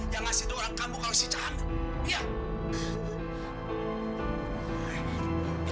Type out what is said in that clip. yang ngasih tu orang kampung kalau si cahat itu ngamil